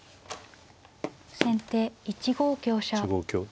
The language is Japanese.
先手１五香車。